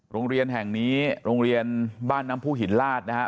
โรงเรียนแห่งนี้โรงเรียนบ้านน้ำผู้หินลาดนะฮะ